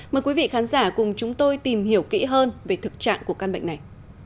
mời quý vị khán giả cùng chúng tôi tìm hiểu kỹ hơn về thực trạng của căn bệnh này